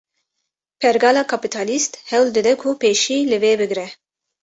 Pergala Kapîtalîst, hewl dide ku pêşî li vê bigre